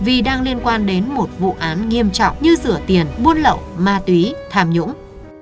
vì đang liên quan đến một vụ án nghiêm trọng như rửa tiền buôn lậu ma túy tham nhũng